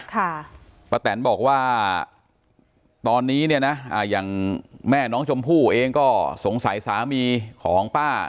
ป้าแตนบอกว่าตอนนี้เนี่ยนะอ่าอย่างแม่น้องชมพู่เองก็สงสัยสามีของป้า